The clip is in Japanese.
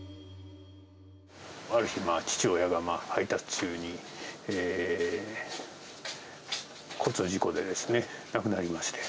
ある日、父親が配達中に、交通事故でですね、亡くなりまして。